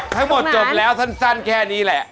ทั้งหมดจบแล้วสั้นแค่นี้แหละ